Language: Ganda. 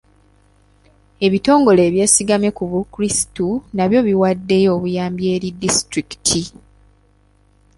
Ebitongole eby'esigamye ku bukulisitu nabyo biwaddeyo obuyambi eri disitulikiti.